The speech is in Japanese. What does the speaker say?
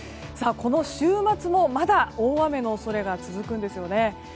この週末も、まだ大雨の恐れが続くんですよね。